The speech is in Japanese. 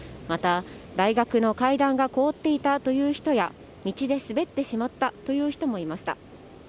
また、大学の階段が凍っていたという人や道で滑ってしまったという人もいました。